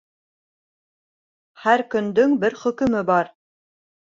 Һәр көндөң бер хөкөмө бар.